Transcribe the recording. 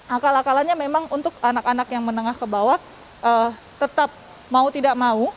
akal akalannya memang untuk anak anak yang menengah ke bawah tetap mau tidak mau